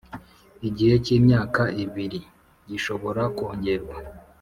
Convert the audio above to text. igihe cy imyaka ibiri gishobora kongerwa